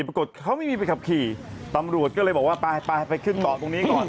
ปรากฏเขาไม่มีใบขับขี่ตำรวจก็เลยบอกว่าไปไปขึ้นต่อตรงนี้ก่อน